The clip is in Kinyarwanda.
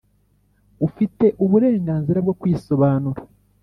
ufite uburenganzira bwo kwisobanura